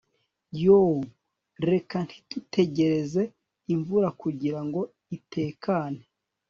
Yoo reka ntitutegereze imvura kugirango itekane